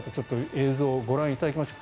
映像をご覧いただきましょう。